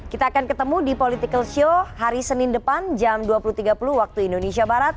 kita akan ketemu di political show hari senin depan jam dua puluh tiga puluh waktu indonesia barat